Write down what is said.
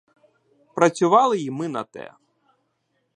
Працювали й ми на те!